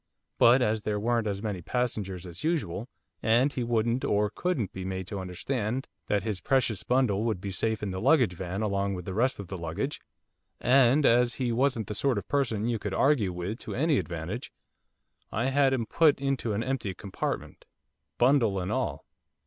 But as there weren't as many passengers as usual, and he wouldn't or couldn't be made to understand that his precious bundle would be safe in the luggage van along with the rest of the luggage, and as he wasn't the sort of person you could argue with to any advantage, I had him put into an empty compartment, bundle and all.